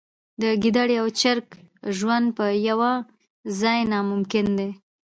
د ګیدړې او چرګ ژوند په یوه ځای ناممکن دی.